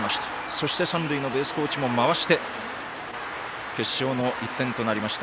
そして、三塁のベースコーチも回して決勝の１点となりました。